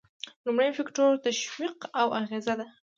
لومړی فکتور تشویق او اغیزه ده.